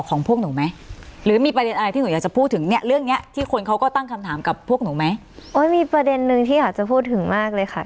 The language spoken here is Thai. โอ้ยมีประเด็นนึงที่ขาจะพูดถึงมากเลยค่ะ